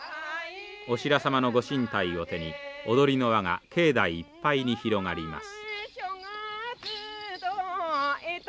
オシラ様の御神体を手に踊りの輪が境内いっぱいに広がります。